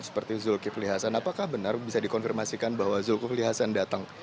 seperti zulkifli hasan apakah benar bisa dikonfirmasikan bahwa zulkifli hasan datang